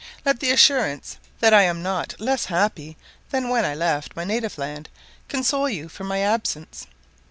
Let the assurance that I am not less happy than when I left my native land, console you for my absence.